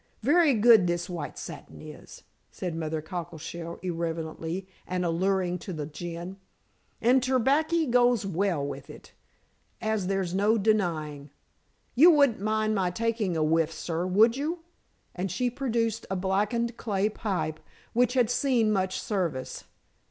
Very good this white satin is," said Mother Cockleshell irrelevantly, and alluding to the gin. "And terbaccer goes well with it, as there's no denying. You wouldn't mind my taking a whiff, sir, would you?" and she produced a blackened clay pipe which had seen much service.